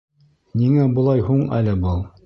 Ниңә былай һуң әле был?